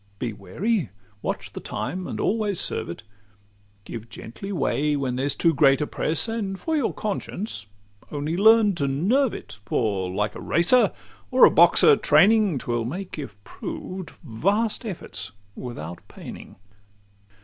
Be wary, watch the time, and always serve it; Give gently way, when there's too great a press; And for your conscience, only learn to nerve it, For, like a racer, or a boxer training, 'T will make, if proved, vast efforts without paining.